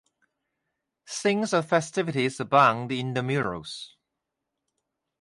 Scenes of festivities abound in the murals.